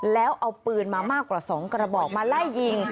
แล้วเอาปืนมามากกว่า๒กระบอกมาไล่ยิง